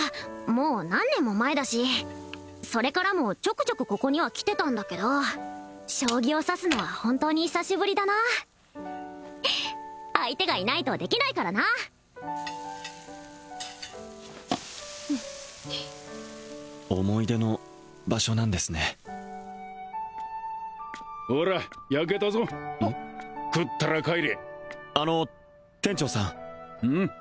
もう何年も前だしそれからもちょくちょくここには来てたんだけど将棋を指すのは本当に久しぶりだな相手がいないとできないからな思い出の場所なんですねほら焼けたぞ食ったら帰れあの店長さんうん？